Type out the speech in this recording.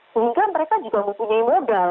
sehingga mereka juga mempunyai modal